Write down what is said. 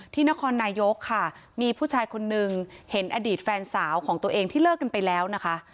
นครนายกค่ะมีผู้ชายคนนึงเห็นอดีตแฟนสาวของตัวเองที่เลิกกันไปแล้วนะคะ